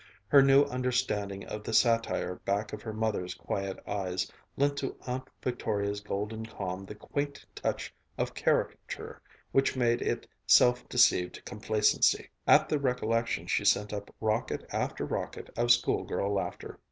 Her new understanding of the satire back of her mother's quiet eyes, lent to Aunt Victoria's golden calm the quaint touch of caricature which made it self deceived complacency. At the recollection she sent up rocket after rocket of schoolgirl laughter.